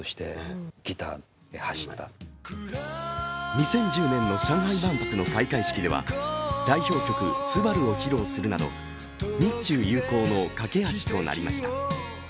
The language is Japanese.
２０１０年の上海万博の開会式では代表曲「昂−すばる−」を披露するなど、日中友好の懸け橋となりました。